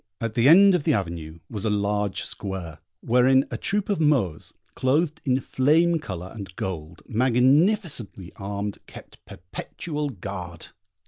At the end of the avenue was a large square, wherein a troop of Moors, clothed in flame colour and gold, magnificently armed, kept perpetual guard.